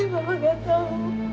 mama gak tahu